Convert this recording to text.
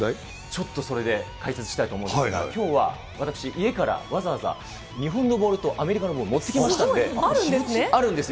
ちょっとそれで解説したいと思うんですが、きょうは私、家からわざわざ日本のボールとアメリカのボール、持ってきましたあるんですね？